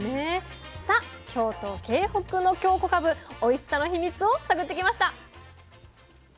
さあ京都・京北の京こかぶおいしさの秘密を探ってきました。